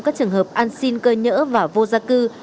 các trường hợp an sinh cơ nhỡ và vô gia cư